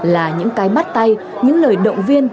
là những cái bắt tay những lời động viên